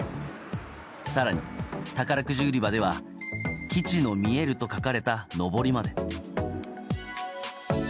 更に、宝くじ売り場では「キチの見える」と書かれたのぼりまで。